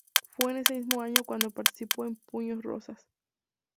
Fue en ese mismo año cuando participó en "Puños rosas".